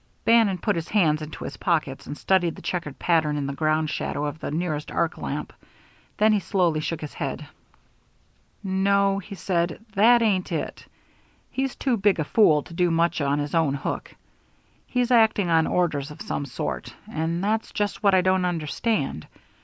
Bannon put his hands into his pockets, and studied the checkered pattern in the ground shadow of the nearest arc lamp. Then he slowly shook his head. "No," he said, "that ain't it. He's too big a fool to do much on his own hook. He's acting on orders of some sort, and that's just what I don't understand.